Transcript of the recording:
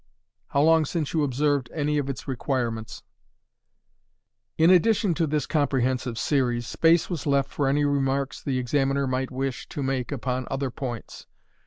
"How long since you observed any of its requirements?" In addition to this comprehensive series, space was left for any remarks the examiner might wish, to make upon other points.